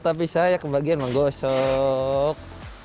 tapi saya kebagian menggosok